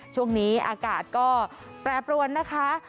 ช่วงนี้อากาศก็แปรปรวนนะคะ